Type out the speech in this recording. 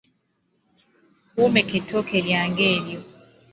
Womeka ettooke lyange eryo.